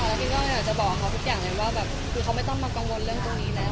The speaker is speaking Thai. แล้วพี่ก็อยากจะบอกกับเขาทุกอย่างเลยว่าแบบคือเขาไม่ต้องมากังวลเรื่องตรงนี้แล้ว